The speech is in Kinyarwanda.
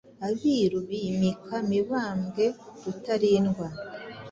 Abiru bimika Mibambwe Rutalindwa